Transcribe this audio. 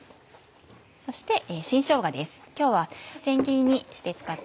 そして新しょうがです。